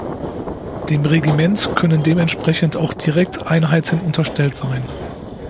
Dem Regiment können dementsprechend auch direkt Einheiten unterstellt sein.